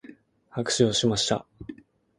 拍手をしました。